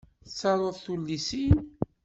Tettaruḍ tullisin?